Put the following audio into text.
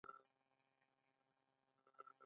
انا له خوشبو سره علاقه لري